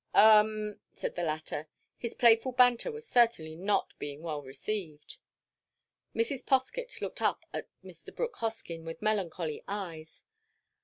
"Um," said the latter. His playful banter was certainly not being well received. Mrs. Poskett looked up at Mr. Brooke Hoskyn with melancholy eyes.